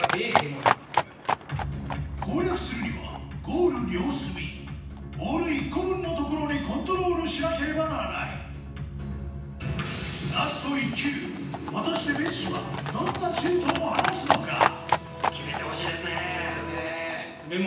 攻略するにはゴール両隅ボール１個分のところにコントロールしなければならないラスト１球果たしてメッシは決めてほしいですねですよね